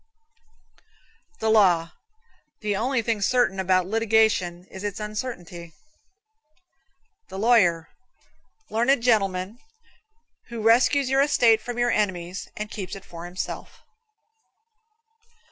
The Law. The only thing certain about litigation is its uncertainty. The Lawyer Learned gentleman, who rescues your estate from your enemies and keeps it for himself.